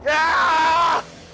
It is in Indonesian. oke mas bantu